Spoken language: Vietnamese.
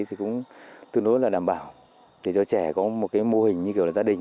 thì cũng tương đối là đảm bảo để cho trẻ có một cái mô hình như kiểu là gia đình